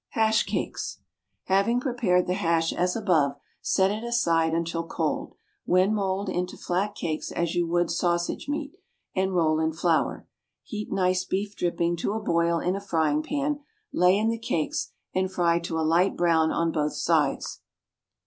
Hash Cakes. Having prepared the hash as above set it aside until cold, when mould into flat cakes as you would sausage meat, and roll in flour. Heat nice beef dripping to a boil in a frying pan, lay in the cakes, and fry to a light brown on both sides.